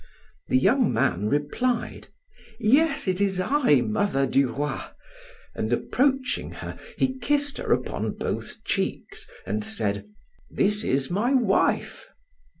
The young man replied: "Yes, it is I, Mother Duroy," and approaching her, he kissed her upon both cheeks and said: "This is my wife."